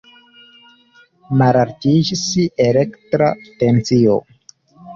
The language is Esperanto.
Malaltiĝis elektra tensio.